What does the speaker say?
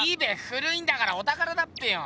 古いんだからおたからだっぺよ！